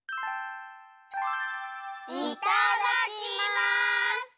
いただきます！